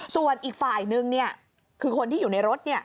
ส่วนอีกฝ่าอีกนึงเนี่ยคือคนที่อยู่ในรถเนี่ย